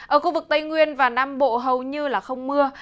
ở khu vực tây nguyên và nam bộ hầu như không mưa